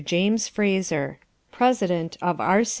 JAMES FRASER, PRESIDENT OF R.